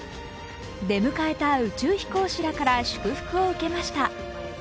出迎えた宇宙飛行士らから祝福を受けました。